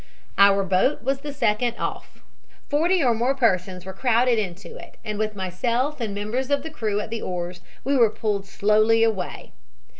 "Our boat was the second off. Forty or more persons were crowded into it, and with myself and members of the crew at the oars, were pulled slowly away.